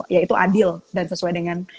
yaitu adil dan sesuai dengan